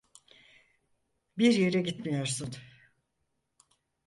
Bir yere gitmiyorsun.